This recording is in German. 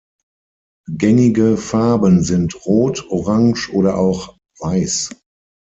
Gängige Farben sind Rot, Orange oder auch Weiß.